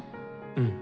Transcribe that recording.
うん。